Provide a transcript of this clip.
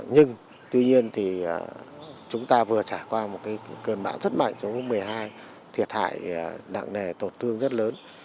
nhưng tuy nhiên thì chúng ta vừa trải qua một cơn bão rất mạnh trong lúc một mươi hai thiệt hại nặng nề tổn thương rất lớn